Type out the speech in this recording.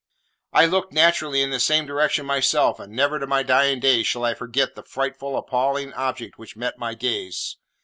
I looked, naturally, in the same direction myself, and never to my dying day shall I forget the frightful, appalling object which met my gaze.